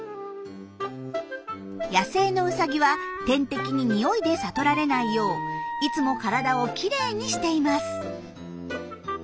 野生のウサギは天敵に匂いで悟られないよういつも体をきれいにしています。